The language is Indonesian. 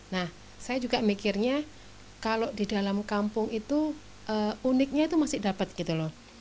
nah saya juga mikirnya kalau di dalam kampung itu uniknya itu masih dapat gitu loh